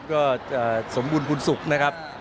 ก็จะสมบูรณบุญสุขนะครับ